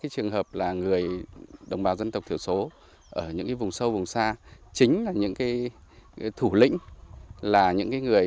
trường hợp là người đồng bào dân tộc thường số ở những vùng sâu vùng xa chính là những thủ lĩnh